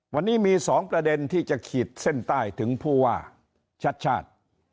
วันนี้มี๒ประเด็นที่จะขีดเส้นใต้ถึงผู้ว่าชัดชาติ